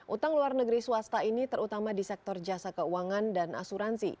utang luar negeri swasta ini terutama di sektor jasa keuangan dan asuransi